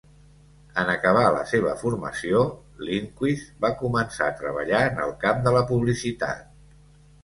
En acabar la seva formació, Lindquist va començar a treballar en el camp de la publicitat.